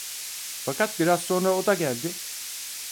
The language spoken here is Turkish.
Fakat biraz sonra o da geldi.